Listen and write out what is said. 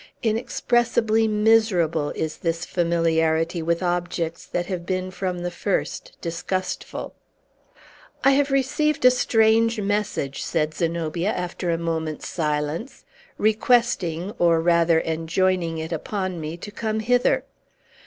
Inexpressibly miserable is this familiarity with objects that have been from the first disgustful. "I have received a strange message," said Zenobia, after a moment's silence, "requesting, or rather enjoining it upon me, to come hither.